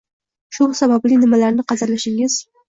Shu sababli nimalarni qadrlashingiz